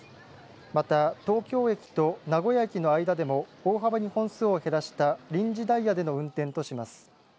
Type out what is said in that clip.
また、東京駅と名古屋駅の間でも大幅に本数を減らした臨時ダイヤでの運転とします。